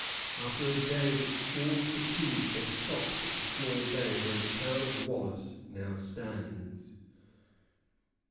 After a day of extreme fatigue they stopped at the small bay where the town of Wallace now stands.